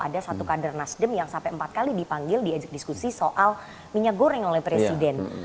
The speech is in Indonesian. ada satu kader nasdem yang sampai empat kali dipanggil diajak diskusi soal minyak goreng oleh presiden